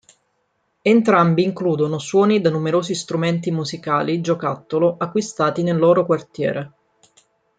Entrambi includono suoni da numerosi strumenti musicali-giocattolo acquistati nel loro quartiere.